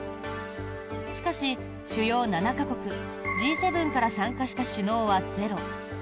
しかし、主要７か国・Ｇ７から参加した首脳はゼロ。